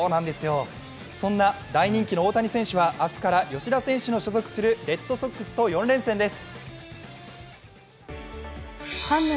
そんな大人気の大谷選手は明日から吉田選手の所属するこの時間の最新のニュースです。